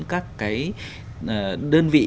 các cái đơn vị